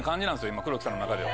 今黒木さんの中では。